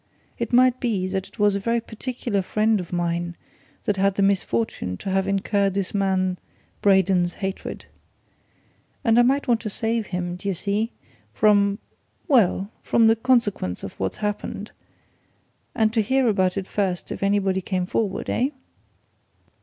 It might be that it was a very particular friend of mine that had the misfortune to have incurred this man Braden's hatred. And I might want to save him, d'ye see, from well, from the consequence of what's happened, and to hear about it first if anybody came forward, eh?"